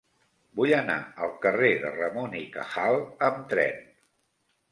Vull anar al carrer de Ramón y Cajal amb tren.